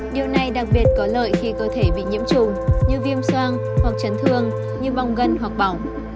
điều này đặc biệt có lợi khi cơ thể bị nhiễm trùng như viêm soang hoặc chấn thương như vong gân hoặc bỏng